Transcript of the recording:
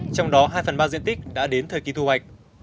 trong đó hai phần ba diện tích đã đến thời kỳ thu hoạch